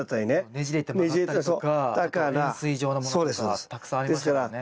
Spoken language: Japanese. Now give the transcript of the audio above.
ねじれて曲がったりとかあと円錐状のものとかたくさんありますよね。